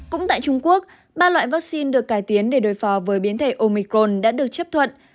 cũng tại trung quốc ba loại vaccine được cải tiến để đối phó với biến thể omicron đã được chấp thuận